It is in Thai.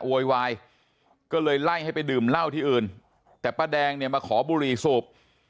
โวยวายก็เลยไล่ให้ไปดื่มเหล้าที่อื่นแต่ป้าแดงเนี่ยมาขอบุหรี่สูบ